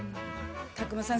宅麻さん